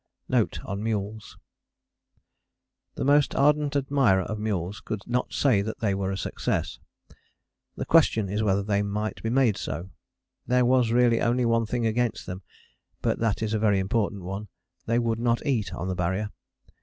Note on Mules. The most ardent admirer of mules could not say that they were a success. The question is whether they might be made so. There was really only one thing against them but that is a very important one they would not eat on the Barrier.